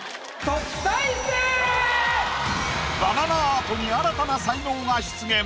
バナナアートに新たな才能が出現。